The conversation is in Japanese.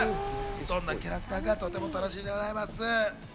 どんなキャラクターかとても楽しみでございます。